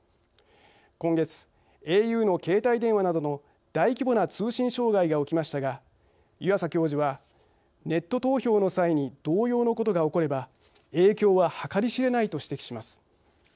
今月、ａｕの携帯電話などの大規模な通信障害が起きましたが湯淺教授は「ネット投票の際に同様のことが起これば影響は計り知れない」と指摘します。